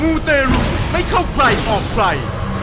ูเตรุไม่เข้าใครออกใคร